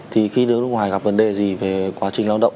thì khi nước ngoài gặp vấn đề gì về quá trình lao động